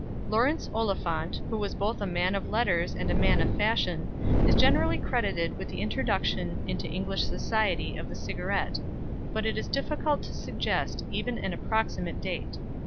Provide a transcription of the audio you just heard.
Laurence Oliphant, who was both a man of letters and a man of fashion, is generally credited with the introduction into English society of the cigarette; but it is difficult to suggest even an approximate date.